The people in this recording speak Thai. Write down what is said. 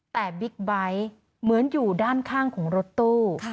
แต่บิ๊กไบท์เหมือนอยู่ด้านข้างของรถตู้